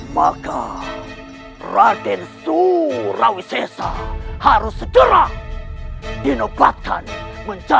maka raden surawisesa harus segera dinobatkan menjadi seorang raja di kerajaan besar pada jalan